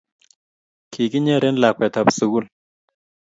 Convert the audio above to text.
Kikinyeren lakwet ab sukul